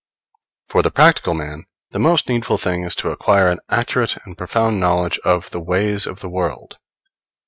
For the practical man the most needful thing is to acquire an accurate and profound knowledge of the ways of the world.